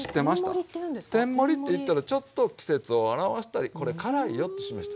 天盛りっていったらちょっと季節を表したりこれ辛いよってしました。